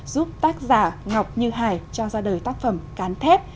giúp tác giả ngọc như hải cho ra đời tác phẩm cán thép